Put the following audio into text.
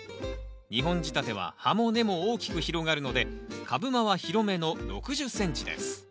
２本仕立ては葉も根も大きく広がるので株間は広めの６０ｃｍです